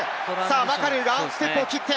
マカルーがステップを切って。